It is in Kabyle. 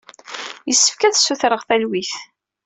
Yessefk ad sutreɣ talwit.